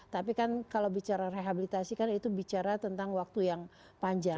tapi kan kalau bicara rehabilitasi kan itu bicara tentang waktu yang panjang